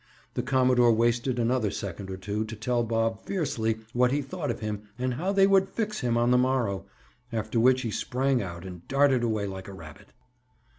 The commodore wasted another second or two to tell Bob fiercely what he thought of him and how they would "fix" him on the morrow, after which he sprang out and darted away like a rabbit.